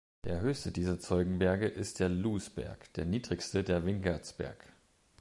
Der höchste dieser Zeugenberge ist der Lousberg, der niedrigste der Wingertsberg.